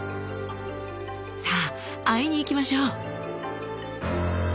さあ会いに行きましょう。